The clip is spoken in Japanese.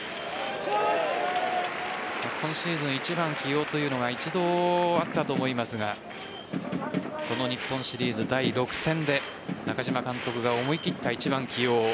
今シーズン、１番起用というのが一度あったと思いますがこの日本シリーズ第６戦で中嶋監督が思い切った１番起用